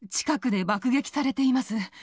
近くで爆撃されています。